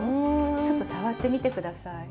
ちょっと触ってみて下さい。